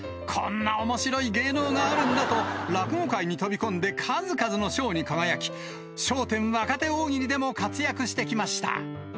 こんなおもしろい芸能があるんだと、落語界に飛び込んで、数々の賞に輝き、笑点若手大喜利でも活躍してきました。